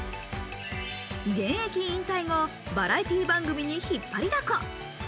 現役引退後、バラエティー番組に引っ張りだこ。